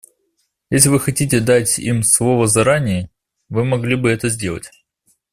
Если Вы хотите дать им слово заранее, Вы могли бы это сделать.